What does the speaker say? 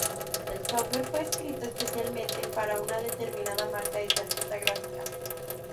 El software fue escrito específicamente para una determinada marca de tarjeta gráfica.